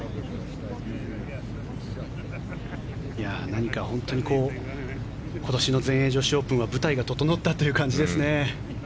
何か本当に今年の全英女子オープンは舞台が整ったという感じですね。